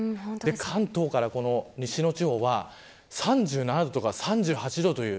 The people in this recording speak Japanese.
関東から西の地方は３７度とか３８度という。